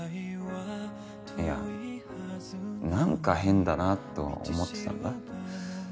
いや何か変だなとは思ってたんだ。